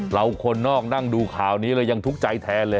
คนนอกนั่งดูข่าวนี้เรายังทุกข์ใจแทนเลย